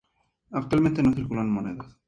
Actualmente no circulan monedas.